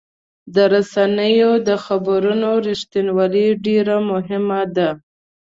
د رسنیو د خبرونو رښتینولي ډېر مهمه ده.